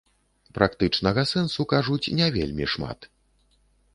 Практычнага сэнсу, кажуць, не вельмі шмат.